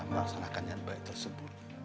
melaksanakan nyarba itu